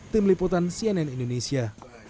tim liputan cnn indonesia